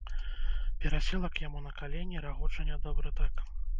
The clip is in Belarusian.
Перасела к яму на калені, рагоча нядобра так.